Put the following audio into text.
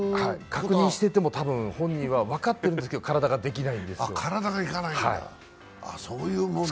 確認手してても、たぶん、本人は分かっているんですけど、体ができなくなってくるんですよ。